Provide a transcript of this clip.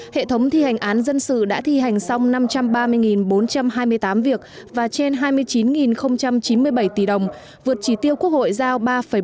hệ thống thi hành án dân sự đã thi hành xong năm trăm ba mươi bốn trăm hai mươi tám việc và trên hai mươi chín chín mươi bảy tỷ đồng vượt chỉ tiêu quốc hội giao ba bốn mươi